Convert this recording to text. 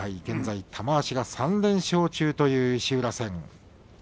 現在玉鷲が３連勝中という石浦戦。